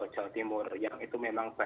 jawa timur yang itu memang